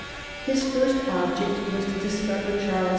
His first object was to discover Charles V.'